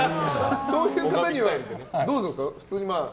そういう方にはどうするんですか？